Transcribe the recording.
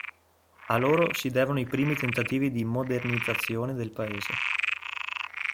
A loro si devono i primi tentativi di modernizzazione del Paese.